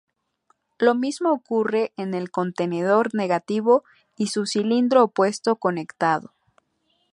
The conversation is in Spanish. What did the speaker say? Lo mismo ocurre en el contenedor negativo y su cilindro opuesto conectado.